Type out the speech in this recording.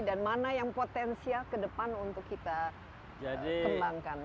dan mana yang potensial ke depan untuk kita kembangkan